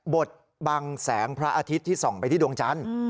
บทบังแสงพระอาทิตย์ที่ส่องไปที่ดวงจันทร์